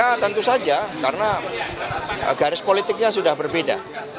ya tentu saja karena garis politiknya sudah berbeda